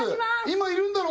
今いるんだろ？